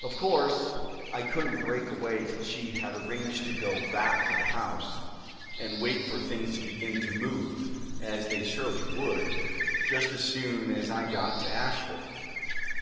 Of course, I couldn't break away till she had arranged to go back to the house, and wait for things to begin to move, as they surely would, just as soon as I get to Asheville.